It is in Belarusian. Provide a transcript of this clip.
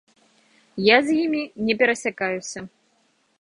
Я з імі не перасякаюся.